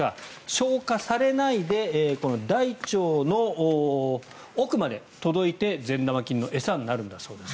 消化されないで大腸の奥まで届いて善玉菌の餌になるんだそうです。